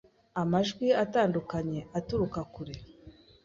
amajwi atandukanye aturuka kure.